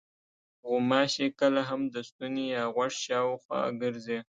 غوماشې کله هم د ستوني یا غوږ شاوخوا ګرځي.